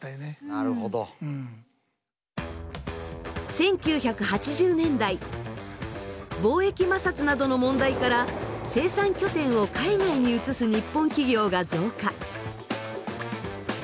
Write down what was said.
１９８０年代貿易摩擦などの問題から生産拠点を海外に移す日本企業が増加。